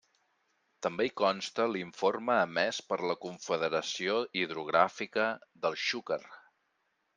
També hi consta l'informe emés per la Confederació Hidrogràfica del Xúquer.